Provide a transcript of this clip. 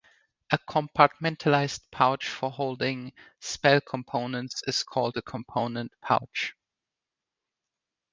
A compartmentalized pouch for holding spell components is called a component pouch